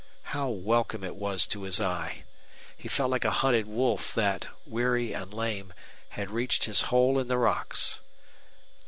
How welcome it was to his eye! He felt like a hunted wolf that, weary and lame, had reached his hole in the rocks.